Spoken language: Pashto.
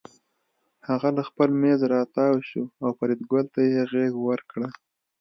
هغه له خپل مېز راتاو شو او فریدګل ته یې غېږ ورکړه